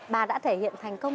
bà đã thể hiện thành công